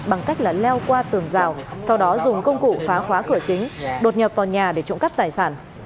bằng cách là leo qua tường rào sau đó dùng công cụ phá khóa cửa chính đột nhập vào nhà để trộm cắp tài sản